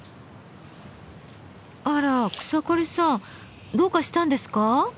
あら草刈さんどうかしたんですか？